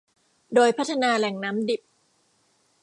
โดยพัฒนาแหล่งน้ำดิบ